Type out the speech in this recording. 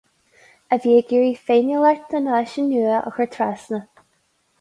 A bhí ag iarraidh féiniúlacht a náisiúin nua a chur trasna.